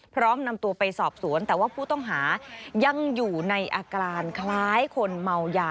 พร้อมนำตัวไปสอบสวนแต่ว่าผู้ต้องหายังอยู่ในอาการคล้ายคนเมายา